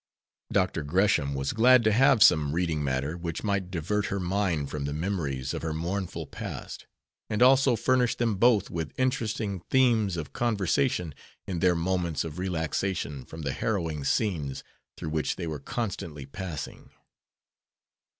Dr. Gresham was glad to have some reading matter which might divert her mind from the memories of her mournful past, and also furnish them both with interesting themes of conversation in their moments of relaxation from the harrowing scenes through which they were constantly passing.